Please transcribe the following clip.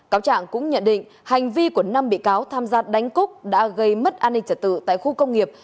cáo trạng cũng nhận định hành vi của năm bị cáo tham gia đánh cúc đã gây mất an ninh trả tự tại khu công nghiệp